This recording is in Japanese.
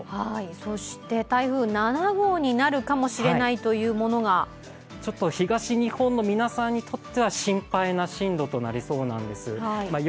そして、台風７号になるかもしれないというものが東日本の皆さんにとっては心配な進路となりそうなんです。